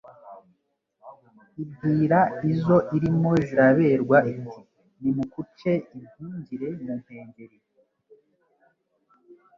Ibwira izo irimo ziraberwa, Iti nimukuce impungire mu mpengeri,